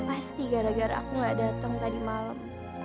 pasti gara gara aku gak datang tadi malam